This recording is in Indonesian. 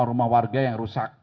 rumah warga yang rusak